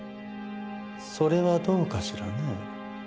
それはどうかしらねえ。